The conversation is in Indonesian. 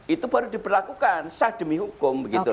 itu baru diberlakukan sah demi hukum